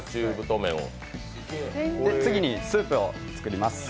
次にスープを作ります。